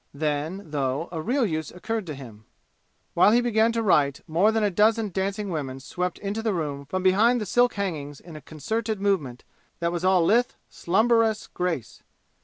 Then, though, a real use occurred to him. While he began to write more than a dozen dancing women swept into the room from behind the silk hangings in a concerted movement that was all lithe slumberous grace.